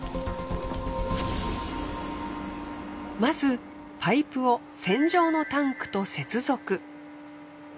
まずパイプを船上のタンクと接続。